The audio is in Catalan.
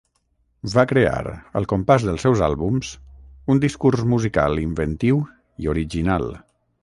Va crear, al compàs dels seus àlbums, un discurs musical inventiu i original.